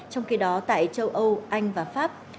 trong khi đó tại châu âu anh và pháp